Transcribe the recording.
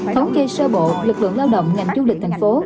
thống kê sơ bộ lực lượng lao động ngành du lịch thành phố